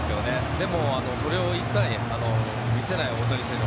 でも、それを一切見せない大谷選手